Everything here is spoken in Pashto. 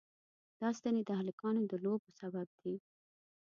دا ستنې د هلکانو د لوبو سبب دي.